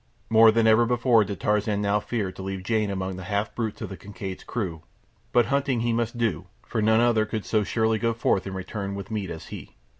More than before did Tarzan now fear to leave Jane among the half brutes of the Kincaid's crew; but hunting he must do, for none other could so surely go forth and return with meat as he.